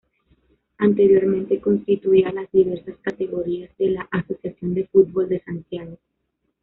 Anteriormente constituía las diversas categorías de la Asociación de Football de Santiago.